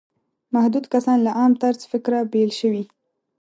محدود کسان له عام طرز فکره بېل شوي.